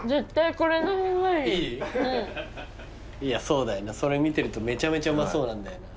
そうだよなそれ見てるとめちゃめちゃうまそうなんだよな。